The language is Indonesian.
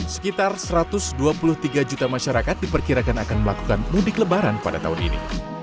sekitar satu ratus dua puluh tiga juta masyarakat diperkirakan akan melakukan mudik lebaran pada tahun ini